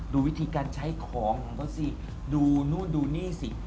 ดูวิธีการใช้ของของเขาสิดูนู่นดูนี่สิ